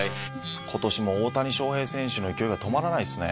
今年も大谷翔平選手の勢いが止まらないですね。